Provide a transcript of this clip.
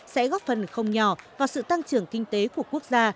sẽ góp phần không nhỏ vào sự tăng trưởng kinh tế của quốc gia